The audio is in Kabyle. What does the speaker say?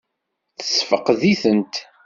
Tessefqed-itent?